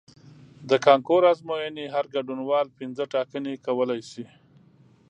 د کانکور ازموینې هر ګډونوال پنځه ټاکنې کولی شي.